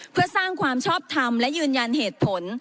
เพื่อสร้างความชอบทำและยืนยันเหตุผล